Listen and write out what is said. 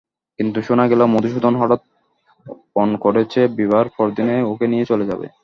কিন্তু শোনা গেল মধুসূদন হঠাৎ পণ করেছে, বিবাহের পরদিনে ওকে নিয়ে চলে যাবে।